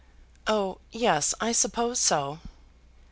"Oh, yes, I suppose so."